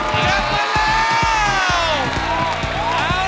เดี๋ยวครับ